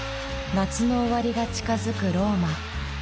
夏の終わりが近づくローマ。